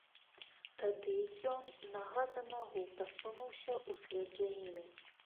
Тады й ён нага за нагу пасунуўся ўслед за імі.